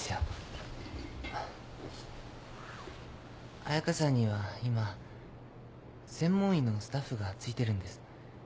彩佳さんには今専門医のスタッフがついてるんです。